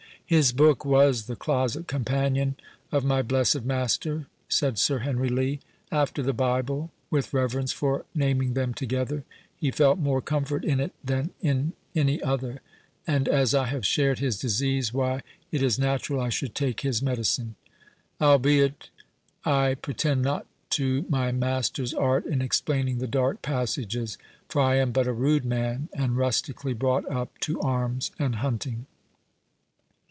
"His book was the closet companion of my blessed master," said Sir Henry Lee; "after the Bible, (with reverence for naming them together,) he felt more comfort in it than in any other; and as I have shared his disease, why, it is natural I should take his medicine. Albeit, I pretend not to my master's art in explaining the dark passages; for I am but a rude man, and rustically brought up to arms and hunting."